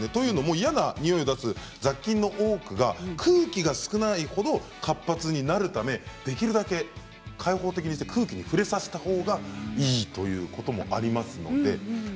嫌なニオイを出す雑菌の多くが空気が少ないほど活発になるためできるだけ開放的にして空気に触れさせたほうがいいということもあります。